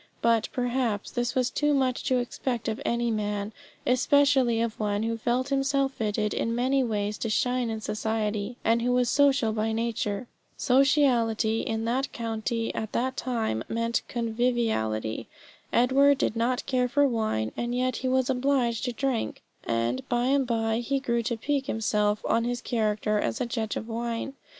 But, perhaps, this was too much to expect of any man, especially of one who felt himself fitted in many ways to shine in society, and who was social by nature. Sociality in that county at that time meant conviviality. Edward did not care for wine, and yet he was obliged to drink and by and by he grew to pique himself on his character as a judge of wine.